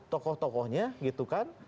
tokoh tokohnya gitu kan